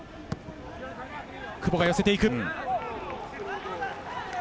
久保が寄せていく。